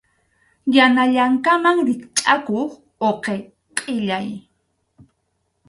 Yaqa llankaman rikchʼakuq uqi qʼillay.